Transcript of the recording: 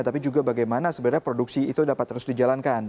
tapi juga bagaimana sebenarnya produksi itu dapat terus dijalankan